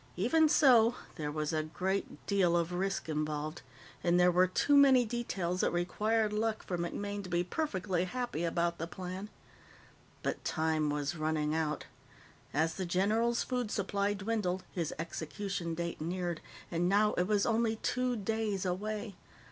Even so, there was a great deal of risk involved, and there were too many details that required luck for MacMaine to be perfectly happy about the plan. But time was running out. As the general's food supply dwindled, his execution date neared, and now it was only two days away.